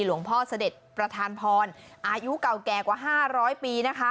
หลวงพ่อเสด็จประธานพรอายุเก่าแก่กว่าห้าร้อยปีนะคะ